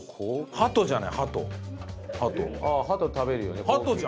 ハトじゃん！